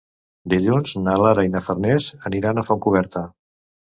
Dilluns na Lara i na Farners aniran a Fontcoberta.